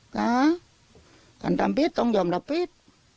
การดำเพีศต้องยอมดำเพีศ